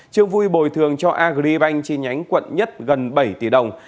trương vui bồi thường cho agribank chi nhánh quận nhất gần bảy tỷ đồng